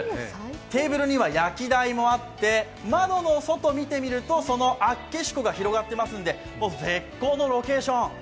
テーブルには焼き台もあって、窓の外を見てみるとその厚岸湖が広がっているので、絶好のロケーション。